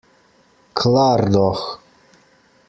Klar doch.